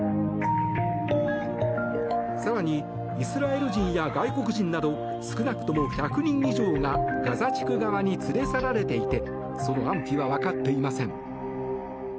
更にイスラエル人や外国人など少なくとも１００人以上がガザ地区側に連れ去られていてその安否は分かっていません。